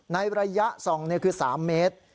ในระยะส่องคือ๓เมตร